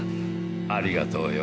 ありがとうよ。